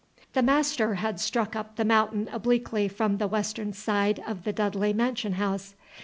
The master had struck up The Mountain obliquely from the western side of the Dudley mansion house.